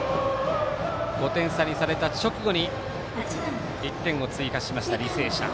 ５点差にされた直後に１点を追加しました、履正社。